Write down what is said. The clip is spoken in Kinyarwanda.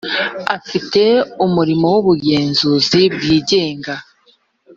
afite umurimo w’ubugenzuzi bwigenga